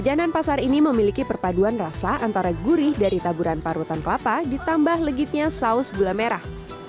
jajanan pasar ini memiliki perpaduan rasa antara gurih dari taburan parutan kelapa ditambah legitnya saus gula merah